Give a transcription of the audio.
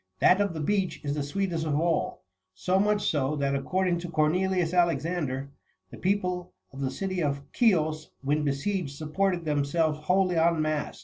That of the beech 41 is the sweetest of all ; so much so, that, according to Cornelius Alexander, the people of the city of Chios, when besieged, supported themselves wholly on mast.